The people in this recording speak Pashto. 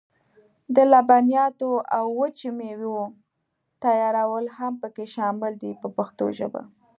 د لبنیاتو او وچې مېوې تیارول هم پکې شامل دي په پښتو ژبه.